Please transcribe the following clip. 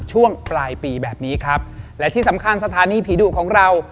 ช่วงปลายปีแบบนี้ครับและที่สำคัญสถานีผีดุของเรา